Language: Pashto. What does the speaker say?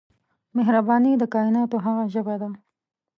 مهرباني د کایناتو هغه ژبه ده